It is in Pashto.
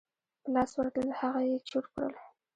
په لاس ورتلل هغه یې چور کړل.